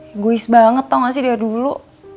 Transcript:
egois banget tau gak sih dari dulu